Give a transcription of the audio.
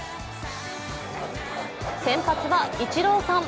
先発はイチローさん。